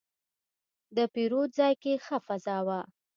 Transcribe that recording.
د پیرود ځای کې ښه فضا وه.